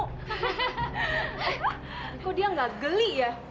kok dia nggak geli ya